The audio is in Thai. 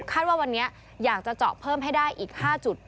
ว่าวันนี้อยากจะเจาะเพิ่มให้ได้อีก๕จุด